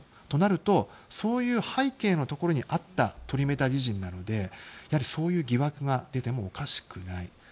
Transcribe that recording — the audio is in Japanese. となるとそういう背景のところにあったトリメタジジンなのでそういう疑惑が出てもおかしくない。